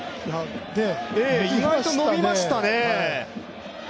意外と伸びましたね。